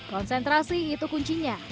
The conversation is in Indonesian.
konsentrasi itu kuncinya